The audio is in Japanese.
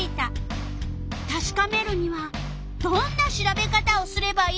たしかめるにはどんな調べ方をすればいい？